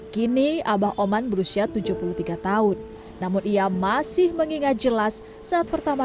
kini abah oman berusia tujuh puluh tiga tahun namun ia masih mengingat jelas saat pertama